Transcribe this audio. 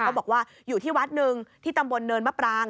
บอกว่าอยู่ที่วัดหนึ่งที่ตำบลเนินมะปราง